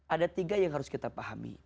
ada tiga yang harus kita pahami